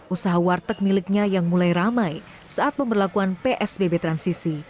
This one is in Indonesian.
usaha warteg miliknya yang mulai ramai saat pemberlakuan psbb transisi